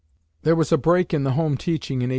There was a break in the home teaching in 1820.